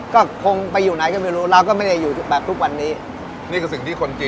ก็คงไปอยู่ไหนก็ไม่รู้เราก็ไม่ได้อยู่แบบทุกวันนี้